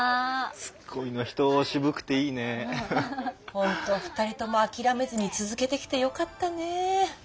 ほんと２人とも諦めずに続けてきてよかったねぇ！